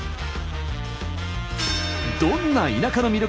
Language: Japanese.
どんな田舎の魅力